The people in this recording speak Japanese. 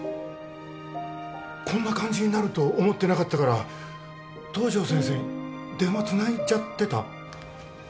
こんな感じになると思ってなかったから東上先生に電話つないじゃってた。